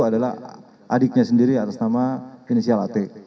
adalah adiknya sendiri atas nama inisial at